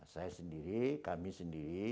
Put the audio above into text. saya sendiri kami sendiri